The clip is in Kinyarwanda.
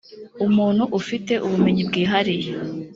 umuntu ufite ubumenyi bwihariye